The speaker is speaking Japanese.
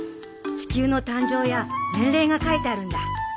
地球の誕生や年齢が書いてあるんだ。